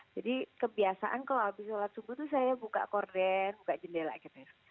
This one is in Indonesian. jadi kebiasaan kalau habis sholat subuh itu saya buka korden buka jendela gitu